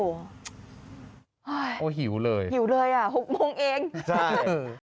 โอ้โหหิวเลยหิวเลยอ่ะหกโมงเองใช่